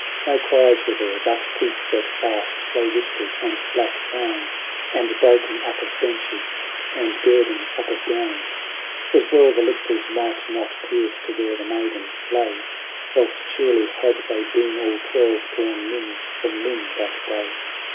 No cries were there, but teeth set fast, low whispers, and black frowns. And breaking up of benches, and girding up of gowns. 'T was well the lictors might not pierce to where the maiden lay. Else surely had they been all twelve torn limb from limb that day.